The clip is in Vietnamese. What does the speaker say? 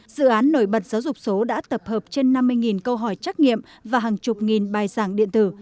dự án nổi bật giáo dục số đã tập hợp trên năm mươi câu hỏi trắc nghiệm và hàng chục nghìn bài giảng điện tử